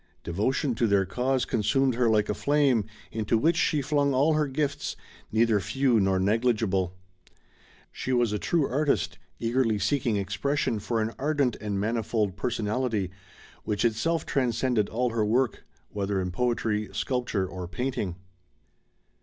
Devotion to their cause consumed her like a flame into which she flung all her gifts, neither few nor negUgible. She was a true artist, eagerly seeking ex [xiii] DORA SIGERSON pression for an ardent and manifold personality which itself transcended all her work, whether in poetry, sculpture or painting.